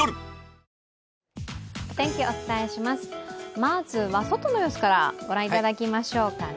まずは外の様子から御覧いただきましょうかね。